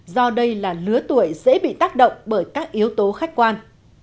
do đây là lứa tuổi dễ bị tác động bởi các yếu tố khách quan